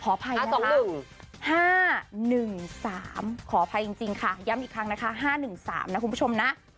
๒๕๑๓ขออภัยจริงค่ะย้ำอีกครั้งนะคะ๕๑๓นะคุณผู้ชมนะ